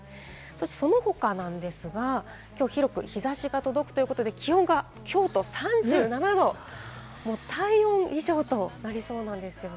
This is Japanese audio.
その他なんですが、広く日差しが届くということで、気温が京都３７度、体温以上となりそうです。